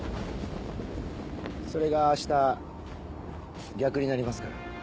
それが明日逆になりますから。